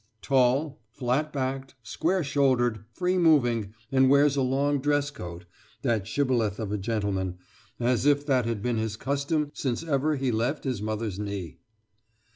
"Tall, flat backed, square shouldered, free moving, and wears a long dress coat that shibboleth of a gentleman as if that had been his custom since ever he left his mother's knee."